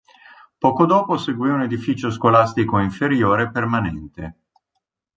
Poco dopo seguì un edificio scolastico inferiore permanente.